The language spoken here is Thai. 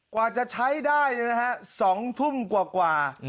กว่าจะใช้ได้นะฮะ๒ทุ่มกว่ากว่า